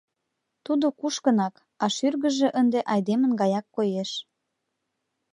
Тудо кушкынак, а шӱргыжӧ ынде айдемын гаяк коеш.